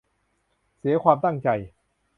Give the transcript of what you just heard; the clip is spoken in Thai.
เสียความตั้งใจ